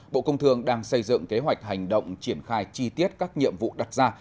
bộ công thương đang xây dựng kế hoạch hành động triển khai chi tiết các nhiệm vụ đặt ra